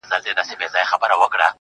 ژوند مي هيڅ نه دى ژوند څه كـړم,